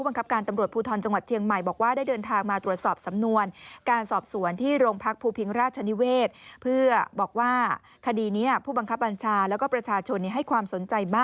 ในวันนี้เรียบร้อยแล้วครับ